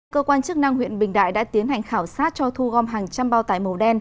cơ quan chức năng huyện bình đại đã tiến hành khảo sát cho thu gom hàng trăm bao tải màu đen